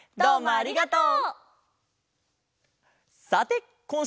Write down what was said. ありがとう！